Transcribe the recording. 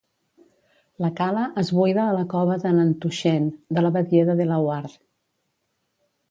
La cala es buida a la cova de Nantuxent de la badia de Delaware.